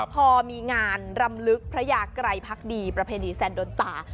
พอมีงานรำลึกพระยาไกรพักดีประเพณีแซนโดนตา